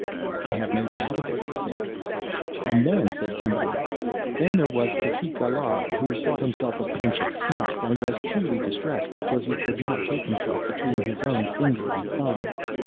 "I have no doubt of it," I said. "And then," said somebody else, "then there was Petit Gaillard, who thought himself a pinch of snuff, and was truly distressed because he could not take himself between his own finger and thumb."